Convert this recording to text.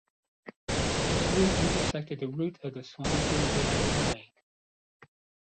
Its route intersected the route of the Swansea Vale Railway.